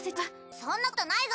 そんなことないぞ！